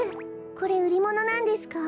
これうりものなんですか？